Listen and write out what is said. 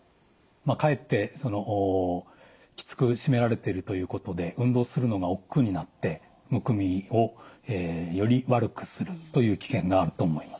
かえってきつく締められてるということで運動するのがおっくうになってむくみをより悪くするという危険があると思います。